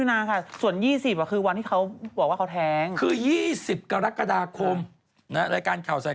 นั่นคือวันที่เท่าไหร่นะเองจี้